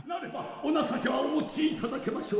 お情けはお持ちいただけましょう。